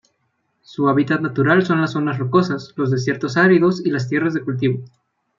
Su hábitat natural son las zonas rocosas, los desiertos áridos, y tierras de cultivo.